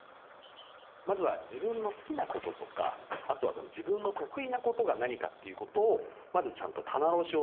まずは自分の好きなこととかあとはその自分の得意なことが何かっていうことをまずちゃんと棚卸しをすること。